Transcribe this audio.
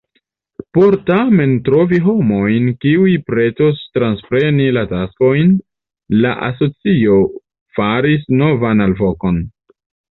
Por tamen trovi homojn kiuj pretos transpreni la taskojn, la asocio faris novan alvokon.